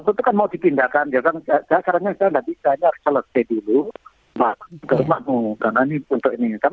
kemudian korea jepang china